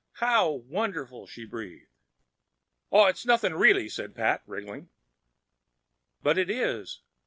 "How wonderful!" she breathed. "Oh, nothing, really," said Pat, wriggling. "But it is!